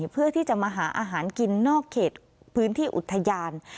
เพื่อที่จะมาหาอาหารกินนอกเขตพื้นที่อุทยาน